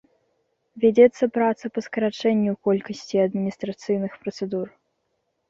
Вядзецца праца па скарачэнню колькасці адміністрацыйных працэдур.